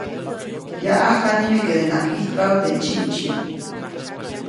Yaʼajk nimekedenaʼajk ʼijtpabä teʼ ndsyiʼmdsyiʼm.